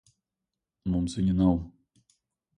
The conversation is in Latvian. Mums viņa nav.